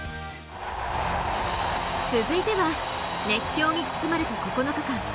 続いては、熱狂に包まれた９日間。